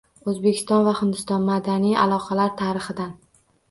O‘zbekiston va Hindiston: madaniy aloqalar tarixidan